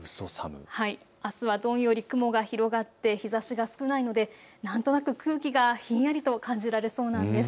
あすはどんより雲が広がって日ざしが少ないので、なんとなく空気がひんやりと感じられそうなんです。